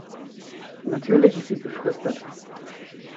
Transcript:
Natürlich ist sie befristet.